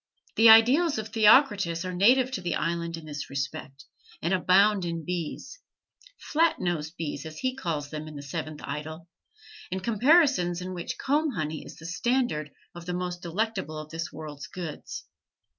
The idyls of Theocritus are native to the island in this respect, and abound in bees "Flat nosed bees" as he calls them in the Seventh Idyl and comparisons in which comb honey is the standard of the most delectable of this world's goods.